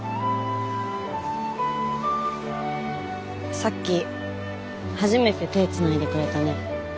さっき初めて手つないでくれたね。